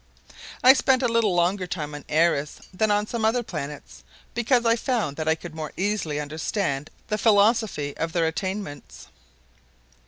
I spent a little longer time on Airess than on some other planets because I found that I could more easily understand the philosophy of their attainments.